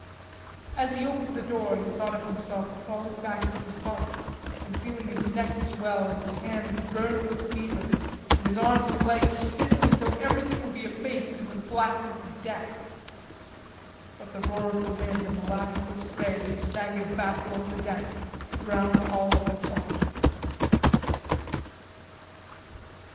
As he opened the door he thought of himself crawling back to his bunk and feeling his neck swell and his hands burn with fever and his arms and legs stiffen until everything would be effaced in the blackness of death. But the roar of the wind and the lash of the spray as he staggered back along the deck drowned all other thought.